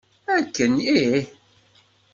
Akken ih!